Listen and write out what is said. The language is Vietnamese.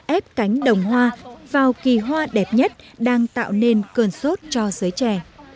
ép cánh đồng hoa vào kỳ hoa đẹp nhất đang tạo nên cơn sốt cho giới trẻ